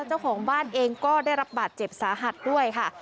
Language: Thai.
เจ้าของบ้านเองก็ได้รับบาดเจ็บสาหัสด้วยค่ะ